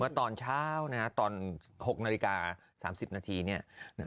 เมื่อตอนเช้านะครับตอน๖นาฬิกา๓๐นาทีเนี่ย